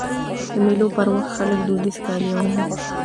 د مېلو پر وخت خلک دودیز کالي اغوندي.